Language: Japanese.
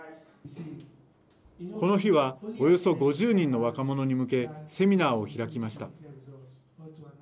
この日はおよそ５０人の若者に向けセミナーを開きました。